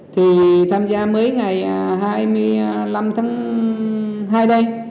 thì tham gia mới ngày hai mươi năm tháng hai đây